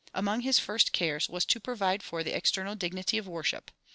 Among his first cares was to provide for the external dignity of worship.